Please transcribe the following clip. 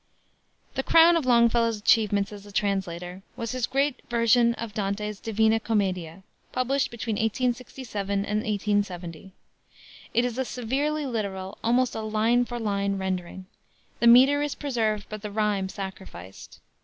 The crown of Longfellow's achievements as a translator was his great version of Dante's Divina Commedia, published between 1867 and 1870. It is a severely literal, almost a line for line, rendering. The meter is preserved, but the rhyme sacrificed.